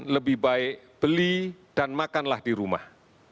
lebih baik beli dan makanlah di rumah